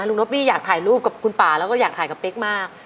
น็อปปี้อยากถ่ายรูปกับคุณป่าแล้วก็อยากถ่ายกับเป๊กมาก